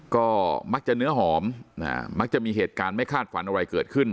ก็มักจะเนื้อหอมมักจะมีเหตุการณ์ไม่คาดฝันอะไรเกิดขึ้น